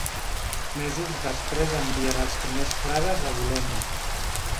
Mesos després enviarà els primers frares a Bolonya.